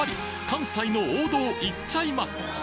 関西の王道いっちゃいます！